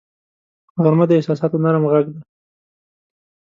غرمه د احساساتو نرم غږ دی